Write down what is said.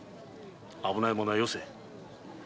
危ないものはよせ。